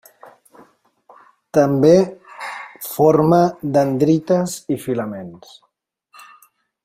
També forma dendrites i filaments.